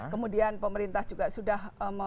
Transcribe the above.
kemudian pemerintah juga sudah